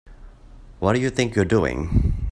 What do you think you're doing?